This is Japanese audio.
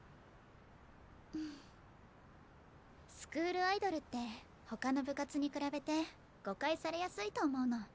んスクールアイドルって他の部活に比べて誤解されやすいと思うの。